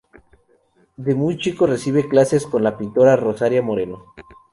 De muy chico recibe clases con la pintora Rosario Moreno.